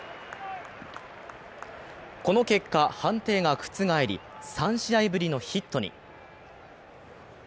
この結果、判定が覆り、３試合ぶりのヒットに。